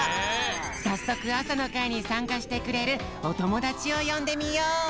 さっそくあさのかいにさんかしてくれるおともだちをよんでみよう！